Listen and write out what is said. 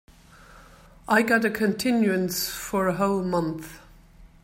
I got a continuance for a whole month.